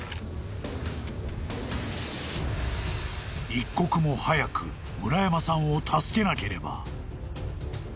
［一刻も早く村山さんを助けなければ］